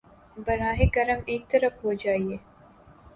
براہ کرم ایک طرف ہو جایئے